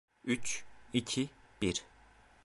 Üç, iki, bir.